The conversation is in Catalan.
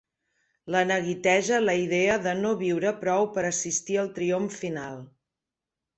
La neguiteja la idea de no viure prou per assistir al triomf final.